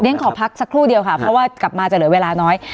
ขอพักสักครู่เดียวค่ะเพราะว่ากลับมาจะเหลือเวลาน้อย